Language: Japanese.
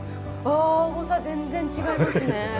あ重さ全然違いますね。